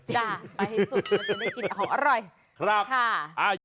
จ้ะไปให้สุดก็จะได้กินแต่ของอร่อย